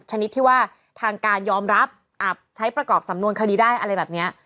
ชนิดที่ว่าทางการยอมรับใช้ประกอบสำนวนคดีได้อะไรแบบนี้